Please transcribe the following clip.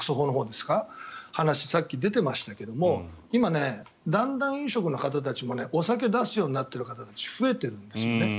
そういう話がさっき出ていましたが今、だんだん飲食の方たちもお酒を出すようになってる方が増えてるんですよね。